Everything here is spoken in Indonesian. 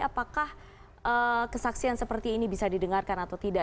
apakah kesaksian seperti ini bisa didengarkan atau tidak